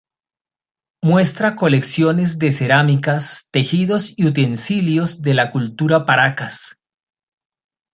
Muestra colecciones de cerámicas, tejidos y utensilios de la Cultura Paracas.